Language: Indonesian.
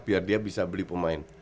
biar dia bisa beli pemain